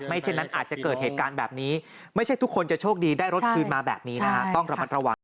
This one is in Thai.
เช่นนั้นอาจจะเกิดเหตุการณ์แบบนี้ไม่ใช่ทุกคนจะโชคดีได้รถคืนมาแบบนี้นะฮะต้องระมัดระวัง